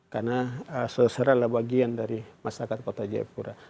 karena seserah lah bagian dari masyarakat kota jaipura